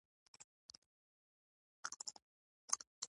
پرمختګ د ودې نښه ده.